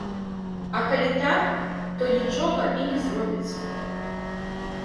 А калі так, то нічога і не зробіцца.